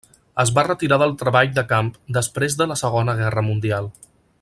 Es va retirar del treball de camp després de la Segona Guerra Mundial.